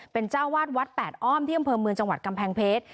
เป็นเจ้าวาดวัดแปดอ้อมที่อำเภอเมืองจังหวัดกำแพงเพชร